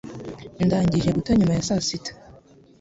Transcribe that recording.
Ndangije guta nyuma ya saa sita